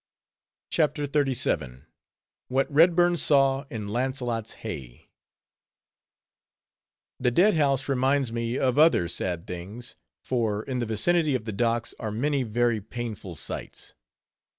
CHAPTER XXXVII. WHAT REDBURN SAW IN LAUNCELOTT'S HEY The dead house reminds me of other sad things; for in the vicinity of the docks are many very painful sights.